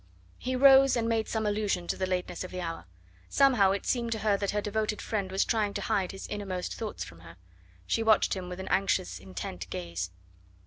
He rose and made some allusion to the lateness of the hour. Somehow it seemed to her that her devoted friend was trying to hide his innermost thoughts from her. She watched him with an anxious, intent gaze.